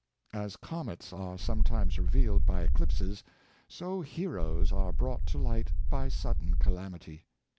As comets are sometimes revealed by eclipses, so heroes are brought to light by sudden calamity.